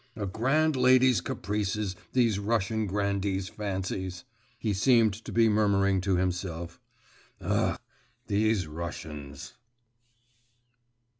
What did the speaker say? … 'A grand lady's caprices! these Russian grandees' fancies!' he seemed to be murmuring to himself.… 'Ugh, these Russians!